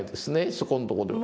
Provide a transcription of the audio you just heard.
そこんとこでは。